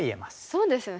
そうですよね